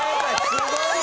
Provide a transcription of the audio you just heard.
すごい。